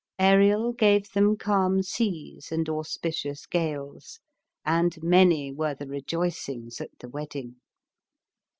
Ariel gave them calm seas and auspicious gales ;^ and many were the rejoicings at the wedding.